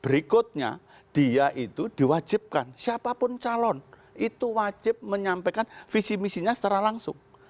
berikutnya dia itu diwajibkan siapapun calon itu wajib menyampaikan visi misinya secara langsung